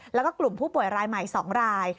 แล้วก็กลุ่มผู้ป่วยรายใหม่๒ราย